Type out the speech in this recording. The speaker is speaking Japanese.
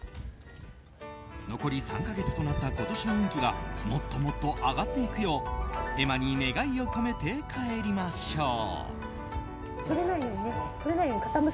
残り３か月となった今年の運気がもっともっと上がっていくよう絵馬に願いを込めて帰りましょう。